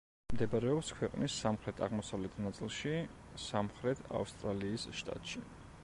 მდებარეობს ქვეყნის სამხრეთ-აღმოსავლეთ ნაწილში, სამხრეთ ავსტრალიის შტატში.